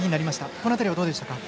この辺りはどうでしたか？